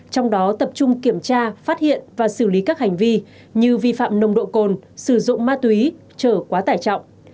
trong đó tập trung kiểm tra phát hiện và xử lý các hành vi như vi phạm nồng độ cồn sử dụng ma túy trở quá tải trọng